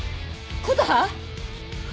琴葉。